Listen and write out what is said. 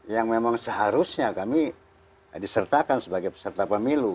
yang memang seharusnya kami disertakan sebagai peserta pemilu